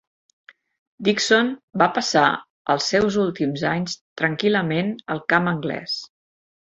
Dickson va passar els seus últims anys tranquil·lament al camp anglès.